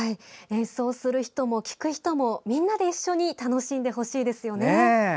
演奏する人も聴く人もみんなで一緒に楽しんでほしいですよね。